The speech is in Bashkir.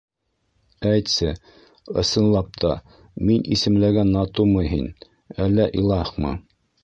Әйтсе, ысынлап та, мин исемләгән Натумы һин, әллә... илаһмы?